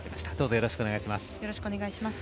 よろしくお願いします。